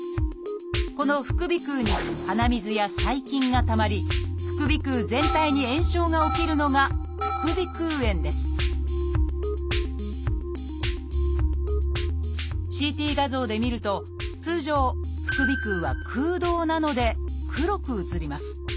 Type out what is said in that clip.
この副鼻腔に鼻水や細菌がたまり副鼻腔全体に炎症が起きるのが副鼻腔炎ですＣＴ画像で見ると通常副鼻腔は空洞なので黒く写ります。